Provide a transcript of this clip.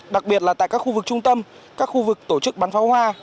đặc biệt là tại các khu vực trung tâm các khu vực tổ chức bắn pháo hoa